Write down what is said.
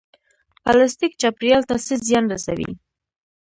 پلاستیک چاپیریال ته څه زیان رسوي؟